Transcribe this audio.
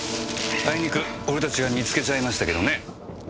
あいにく俺たちが見つけちゃいましたけどね。